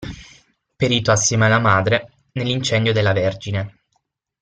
Perito assieme alla madre nell'incendio della Vergine!